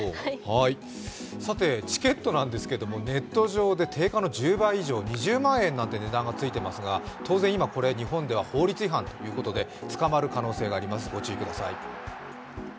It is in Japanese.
チケットなんですけども、ネット上で定価の１０万円以上、２０万円なんていう値段がついていますが当然、これは日本では法律違反ということで捕まる可能性があります、ご注意ください。